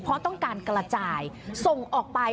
เพราะต้องการกระจายส่งออกไป